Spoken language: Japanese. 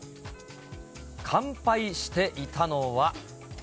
乾杯していたのは。